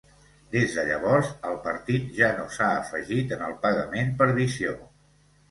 Des de llavors, el partit ja no s'ha afegit en el pagament per visió.